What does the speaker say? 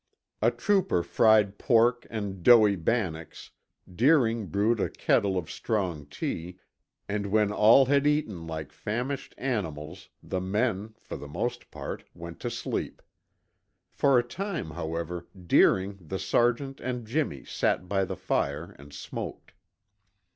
A trooper fried pork and doughy bannocks, Deering brewed a kettle of strong tea, and when all had eaten like famished animals the men, for the most part, went to sleep. For a time, however, Deering, the sergeant, and Jimmy sat by the fire and smoked.